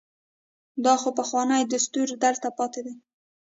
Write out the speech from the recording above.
دا خو پخوانی دستور دلته پاتې دی.